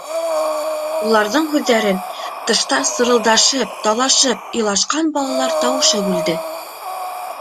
Уларҙың һүҙҙәрен тышта сырылдашып талашып илашҡан балалар тауышы бүлде.